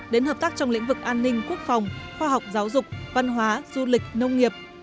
đến hợp tác trong lĩnh vực an ninh quốc phòng khoa học giáo dục văn hóa du lịch nông nghiệp